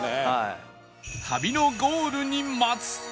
旅のゴールに待つ